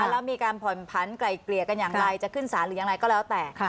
แล้วมีการผ่อนผันไกลเกลี่ยกันอย่างไรจะขึ้นสารหรืออย่างไรก็แล้วแต่